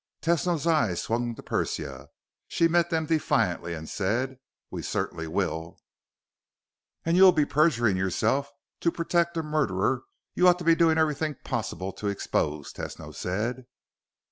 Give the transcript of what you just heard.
Tesno's eyes swung to Persia. She met them defiantly and said, "We certainly will." "And you'll be perjuring yourself to protect a murderer you ought to be doing everything possible to expose," Tesno said.